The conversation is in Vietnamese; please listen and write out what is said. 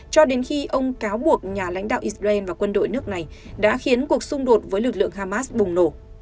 cho đến khi ông cáo buộc nhà lãnh đạo israel và quân đội nước này đã khiến cuộc xung đột với lực lượng hamas bùng nổ